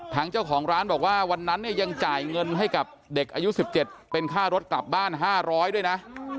ทางเจ้าของร้านบอกว่าวันนั้นเนี่ยยังจ่ายเงินให้กับเด็กอายุ๑๗เป็นค่ารถกลับบ้าน๕๐๐ด้วยนะ